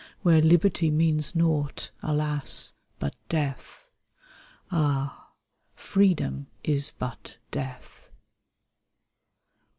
Where liberty means nought, alas, but death. Ah, freedom is but death.